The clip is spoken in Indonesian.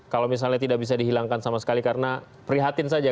kalau misalnya tidak bisa dihilangkan sama sekali karena prihatin saja